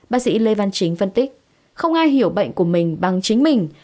bác sĩ lê văn chính phân tích không ai hiểu bệnh của mình bằng chính mình